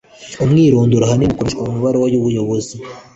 Umwirondoro ahanini ukoreshwa mu mabaruwa y’ubuyobozi